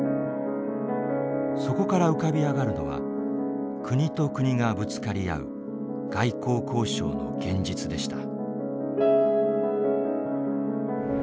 そこから浮かび上がるのは国と国がぶつかり合う外交交渉の現実でした。